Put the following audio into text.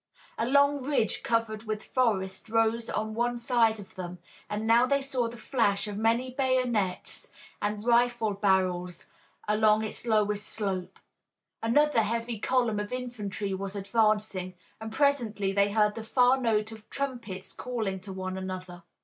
A long ridge covered with forest rose on one side of them and now they saw the flash of many bayonets and rifle barrels along its lowest slope. Another heavy column of infantry was advancing, and presently they heard the far note of trumpets calling to one another.